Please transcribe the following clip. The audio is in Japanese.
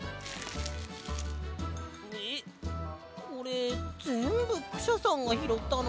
えっこれぜんぶクシャさんがひろったの？